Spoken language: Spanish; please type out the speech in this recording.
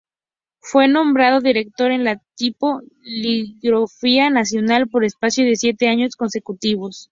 Fue nombrado Director de la "Tipo-Litografía Nacional" por espacio de siete años consecutivos.